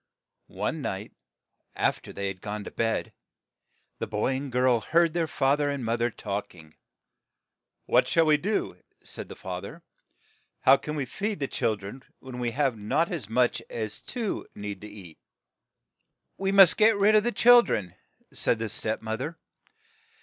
One night, aft er they had gone to bed, the boy and girl heard their fa ther and moth er talk ing. "What shall we do?" said the fa ther. 1 ' How can we feed the chil dren when we have not as much as two need to eat ?'' "We must get rid of the chil dren," said the step moth er.